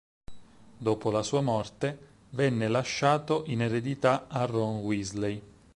Dopo la sua morte, vene lasciato in eredità a Ron Weasley.